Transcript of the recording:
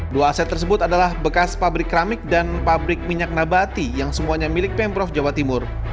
dua aset tersebut adalah bekas pabrik keramik dan pabrik minyak nabati yang semuanya milik pemprov jawa timur